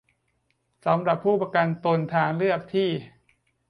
สำหรับผู้ประกันตนทางเลือกที่